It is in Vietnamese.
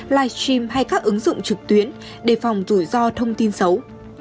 livestream hay các ứng dụng trực tuyến để phòng rủi ro thông tin xấu